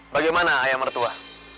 bagaimana ayah mertua